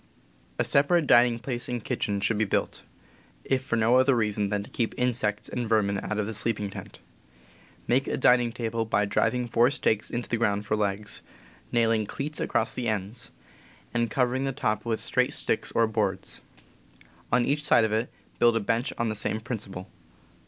A separate dining space and kitchen should be built, if for no other reason than to keep insects and vermin out of the sleeping tent. Make a dining table by driv ing four stakes into the ground for legs, nailing cleats across the ends, and covering the top with straight sticks or boards. On each side of it build a bench on the same principle.